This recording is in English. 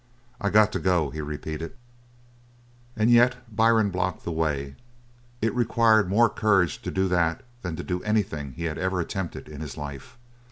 "I got to go," he repeated. And yet Byrne blocked the way. It required more courage to do that than to do anything he had ever attempted in his life.